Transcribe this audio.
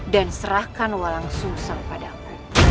dan serahkan walang sungsang padamu